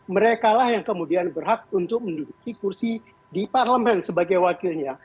mereka lah yang kemudian berhak untuk menduduki kursi di parlemen sebagai wakilnya